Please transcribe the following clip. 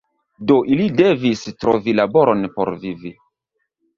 Do li devis trovi laboron por vivi.